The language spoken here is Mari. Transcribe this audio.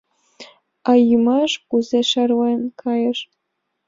А йӱмаш кузе шарлен кайыш!